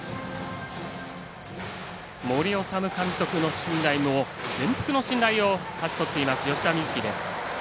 森士監督の信頼も全幅の信頼を勝ち取っている吉田瑞樹です。